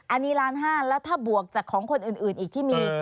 อันนี้ล้านห้าแล้วถ้าบวกจากของคนอื่นอีกที่มี